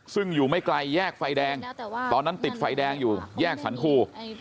ซึ่งอยู่ไม่ไกลแยกไฟแดงตอนนั้นติดไฟแดงอยู่แยกสรรคู